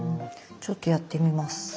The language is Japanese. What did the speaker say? ちょっとやってみます。